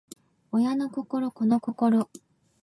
親の心子の心